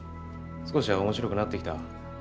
少しは面白くなってきた？